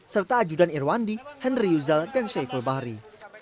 serta ajudan irwandi henry yuzal dan syaiful bahri